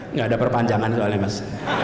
nggak ada perpanjangan soalnya mas